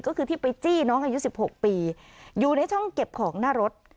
ก็คือที่ไปจี้น้องอายุ๑๖ปีอยู่ในช่องเก็บของหน้ารถ